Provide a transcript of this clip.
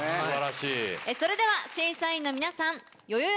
それでは審査員の皆さんよよよ